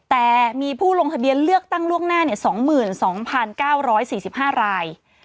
แต่มีผู้ลงทะเบียนเลือกตั้งล่วงหน้า๒๒๙๔๕ราย